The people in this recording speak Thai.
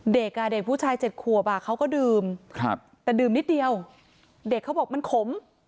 เด็กเด็กผู้ชาย๗ขวบเขาก็ดื่มแต่ดื่มนิดเดียวเด็กเขาบอกมันขม